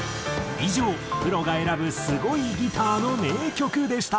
以上プロが選ぶすごいギターの名曲でした。